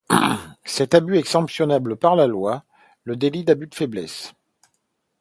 Cet abus est sanctionnable par la loi via le délit d'abus de faiblesse.